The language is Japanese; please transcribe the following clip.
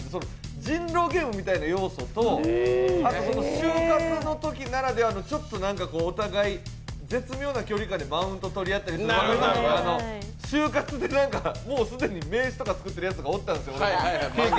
人狼ゲームみたいな要素と、終活のときならではのちょっとお互い絶妙な距離感でマウント取り合ったりする、就活で、既に名刺とか作ってるやついたんですよ。